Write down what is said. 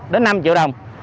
đến năm triệu đồng